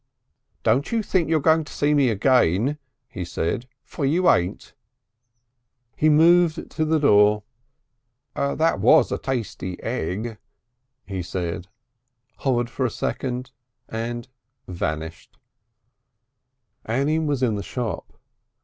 "Don't you think you're going to see me again," he said, "for you ain't." He moved to the door. "That was a tasty egg," he said, hovered for a second and vanished. Annie was in the shop.